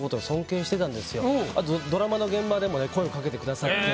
あとドラマの現場でもね声を掛けてくださって。